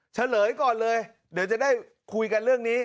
เฉลยก่อนเลยเดี๋ยวจะได้คุยกันเรื่องนี้